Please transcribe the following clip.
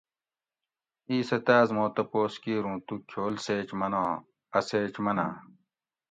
ایسہ تاۤس ما تپوس کِیر اوں تو کھیول سیچ مناں؟ اۤ سیچ مناۤں